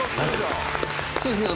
そうですね